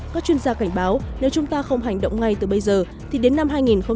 các chuyên gia cảnh báo nếu chúng ta không hành động ngay từ bây giờ thì đến năm hai nghìn hai mươi